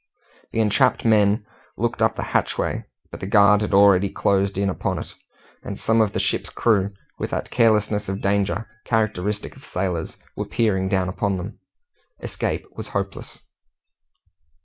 The entrapped men looked up the hatchway, but the guard had already closed in upon it, and some of the ship's crew with that carelessness of danger characteristic of sailors were peering down upon them. Escape was hopeless.